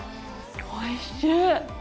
おいしい！